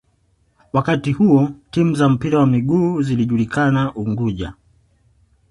Wakati huo timu za mpira wa miguu zilijulikana Unguja